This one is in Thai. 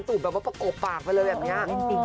แบบว่าประกบปากไปเลยแบบนี้